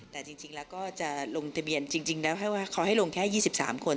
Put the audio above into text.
แต่จริงแล้วก็จะลงทะเบียนจริงแล้วให้ว่าเขาให้ลงแค่๒๓คน